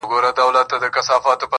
له انسانانو سره پوښتنې زېږوي